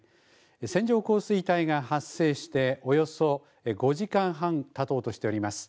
線状降水帯が発生して、およそ５時間半たとうとしております。